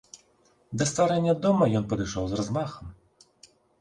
Да стварэння дома ён падышоў з размахам.